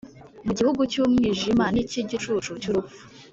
mu gihugu cy’umwijima n’icy’igicucu cy’urupfu,